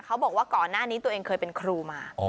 บอกว่าก่อนหน้านี้ตัวเองเคยเป็นครูมา